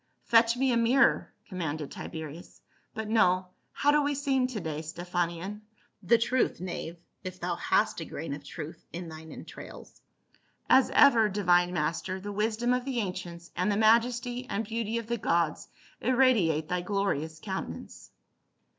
" Fetch me a mirror," commanded Tiberius. " But no — how do we seem to day, Stephanion ? The truth, knave — if thou hast a grain of truth in thine entrails." "As ever, divine master, the wisdom of the ancients and the majesty and beauty of the gods irradiate thy glorious countenance."